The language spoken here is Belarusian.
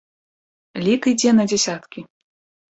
Лік ідзе на дзясяткі.